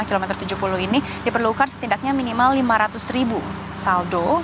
kilometer tujuh puluh ini diperlukan setidaknya minimal lima ratus ribu saldo